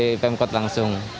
kita mengikuti jam kot langsung